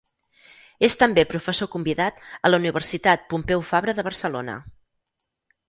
És també professor convidat a la Universitat Pompeu Fabra de Barcelona.